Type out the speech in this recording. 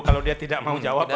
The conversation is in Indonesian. kalau dia tidak mau jawab